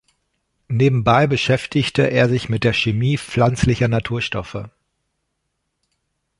Nebenbei beschäftigte er sich mit der Chemie pflanzlicher Naturstoffe.